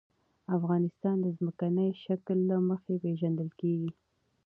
افغانستان د ځمکنی شکل له مخې پېژندل کېږي.